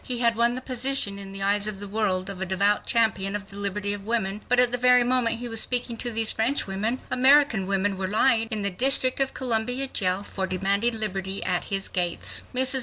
He had won the position in the eyes of the world of a devout champion of the liberty of women, but at the very moment he was speaking to these French women American women were lying in the District of Columbia jail for demanding liberty at his gates. Mrs.